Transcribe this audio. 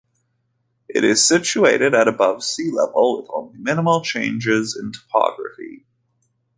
It is situated at above sea level, with only minimal changes in topography.